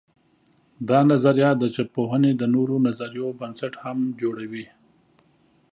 دا نظریه د ژبپوهنې د نورو نظریو بنسټ هم جوړوي.